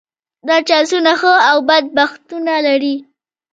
دا چانسونه ښه او بد بختونه دي.